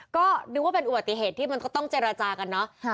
ก็นึกว่าเป็นอุบัติเหตุที่มันก็ต้องเจรจากันเนอะ